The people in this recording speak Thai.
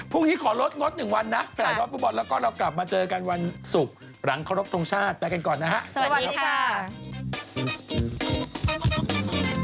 พรุ่งนี้ขอลดหนึ่งวันนะแสดงกับพวกบอลแล้วก็เรากลับมาเจอกันวันศุกร์หลังครบทรงชาติไปกันก่อนนะฮะสวัสดีค่ะ